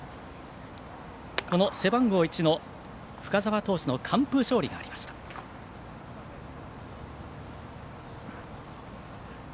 背番号１の深沢投手の完封勝利がありました。